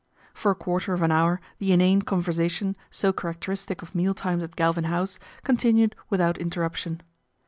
For a quarter of an hour the inane conversation so characteristic of meal times at Galvin House continued without interruption.